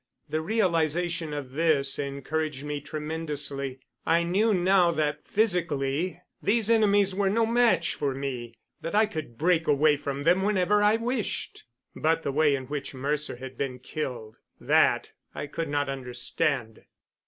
The realization of this encouraged me tremendously. I knew now that physically these enemies were no match for me; that I could break away from them whenever I wished. But the way in which Mercer had been killed that I could not understand.